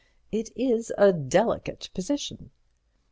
It is a delicate position."